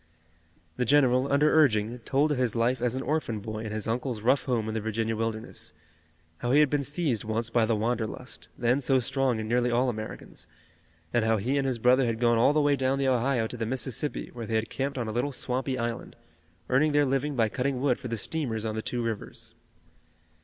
The general, under urging, told of his life as an orphan boy in his uncle's rough home in the Virginia wilderness, how he had been seized once by the wanderlust, then so strong in nearly all Americans, and how he and his brother had gone all the way down the Ohio to the Mississippi, where they had camped on a little swampy island, earning their living by cutting wood for the steamers on the two rivers.